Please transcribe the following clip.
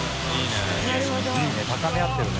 いいね高め合ってるね。